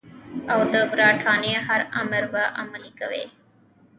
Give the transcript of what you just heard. او د برټانیې هر امر به عملي کوي.